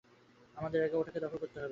আমাদের আগে ওটাকে দখল করতে হবে।